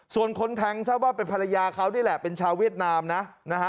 ส่วนคนแทงทราบว่าเป็นภรรยาเขานี่แหละเป็นชาวเวียดนามนะนะฮะ